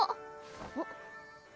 あっ。